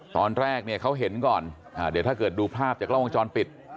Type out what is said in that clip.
ตอนแรกเนี่ยเขาเห็นก่อนเดี๋ยวถ้าเกิดดูภาพจากกล้องวงจรปิด